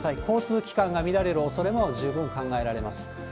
交通機関が乱れるおそれも十分考えられます。